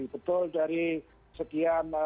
betul dari sekian